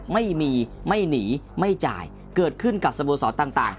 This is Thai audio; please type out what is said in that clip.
ไม่มีไม่หนีไม่จ่ายเกิดขึ้นกับสโมสรต่าง